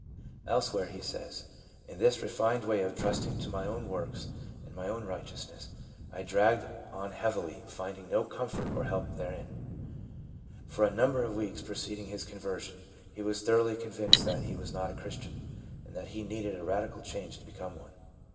Elsewhere he says, " In this refined way of trusting to my own works and my own righteousness, I dragged on heavily, finding no comfort or help therein." For a number of weeks preceding his conversion, he was thoroughly convinced that he was not a Christian, and that he needed a radical change to become one.